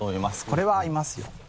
これは合いますよ